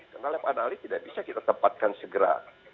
karena lab analis tidak bisa kita tempatkan segera